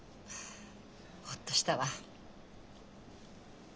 ほっとしたわ。